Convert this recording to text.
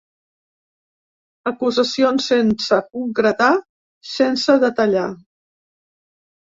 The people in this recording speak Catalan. Acusacions sense concretar, sense detallar.